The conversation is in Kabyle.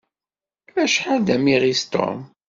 Acḥal d amiɣis Tom!